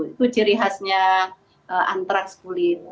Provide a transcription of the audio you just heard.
itu ciri khasnya antraks kulit